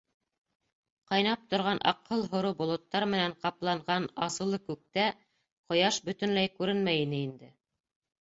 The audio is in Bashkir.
Ҡайнап торған аҡһыл һоро болоттар менән ҡапланған асыулы күктә ҡояш бөтөнләй күренмәй ине инде.